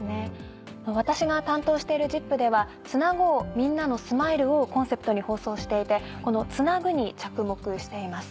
私が担当している『ＺＩＰ！』では「つなごうみんなのスマイルを」をコンセプトに放送していてこの「つなぐ」に着目しています。